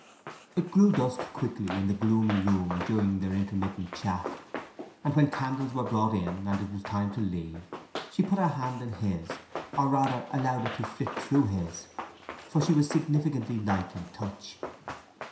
It grew dusk quickly in the gloomy room during their intermittent chat, and when candles were brought and it was time to leave she put her hand in his or rather allowed it to flit through his; for she was significantly light in touch.